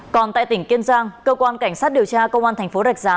còn tại tỉnh kiên giang cơ quan cảnh sát điều tra công an tp đạch giá